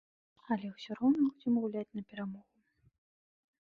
Але ўсё роўна будзем гуляць на перамогу.